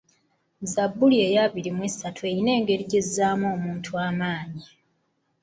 Zzabbuli eya abiri mu ssatu erina engeri gy'ezzaamu omuntu amaanyi.